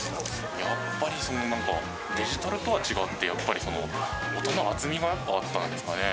やっぱり、なんかデジタルとは違って、やっぱりその、音の厚みがやっぱあったんですかね。